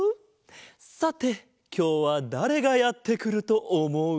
さてきょうはだれがやってくるとおもう？